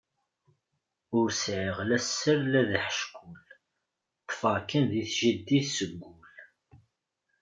Ur sɛiɣ la sser la d aḥeckul, ṭfeɣ kan di tjaddit seg wul.